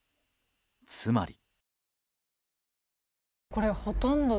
つまり。